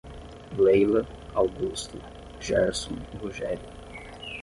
Leila, Augusto, Gerson e Rogério